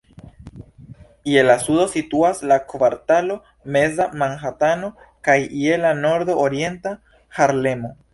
Je la sudo situas la kvartalo Meza Manhatano kaj je la nordo Orienta Harlemo.